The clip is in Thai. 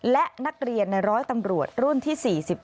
และนักเรียนในร้อยตำรวจรุ่นที่๔๔